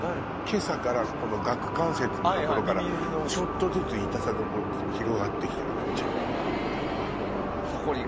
今朝から顎関節の所からちょっとずつ痛さが広がって来てるこっちに。